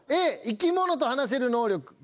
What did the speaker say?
Ａ生き物と話せる能力